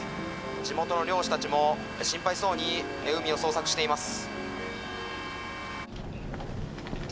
地元の漁師たちも心配そうに海を捜索しています。